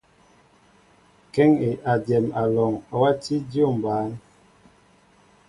Kéŋ éjem alɔŋ wati dyȏm ɓăn.